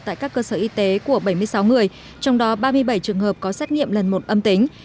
tại các cơ sở y tế của bảy mươi sáu người trong đó ba mươi bảy trường hợp có xét nghiệm lần một âm tính